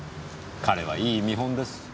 彼はいい見本です。